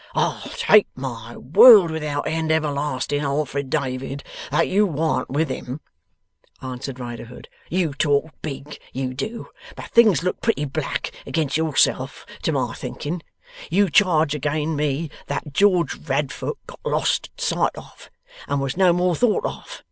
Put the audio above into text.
'I'll take my world without end everlasting Alfred David that you warn't with him,' answered Riderhood. 'You talk big, you do, but things look pretty black against yourself, to my thinking. You charge again' me that George Radfoot got lost sight of, and was no more thought of.